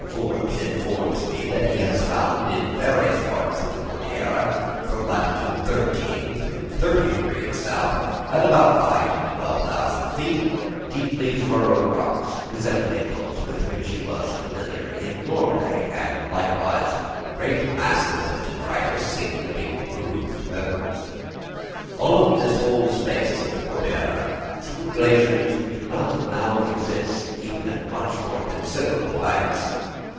Forbes informs me that he found in various parts of the Cordillera, from latitude 13° to 30° south, at about the height of 12,000 feet, deeply furrowed rocks, resembling those with which he was familiar in Norway, and likewise great masses of detritus, including grooved pebbles. Along this whole space of the Cordillera true glaciers do not now exist even at much more considerable heights.